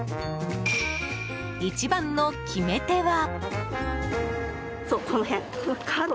一番の決め手は。